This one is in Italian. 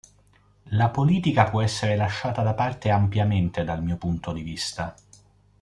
La politica può essere lasciata da parte ampiamente dal mio punto di vista.